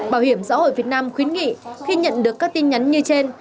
bảo hiểm xã hội việt nam khuyến nghị khi nhận được các tin nhắn như trên